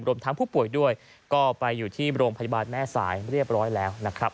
รวมทั้งผู้ป่วยด้วยก็ไปอยู่ที่โรงพยาบาลแม่สายเรียบร้อยแล้วนะครับ